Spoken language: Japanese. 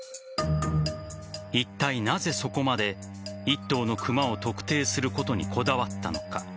いったい、なぜそこまで１頭の熊を特定することにこだわったのか。